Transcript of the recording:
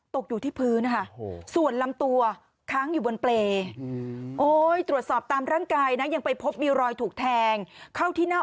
ตกอยู่ที่พื้นส่วนลำตัวค้างอยู่บนเปร